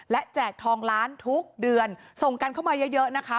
และแจกทองล้านทุกเดือนส่งกันเข้ามาเยอะนะคะ